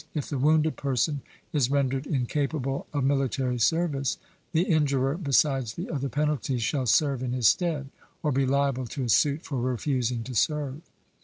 If the wounded person is rendered incapable of military service, the injurer, besides the other penalties, shall serve in his stead, or be liable to a suit for refusing to serve.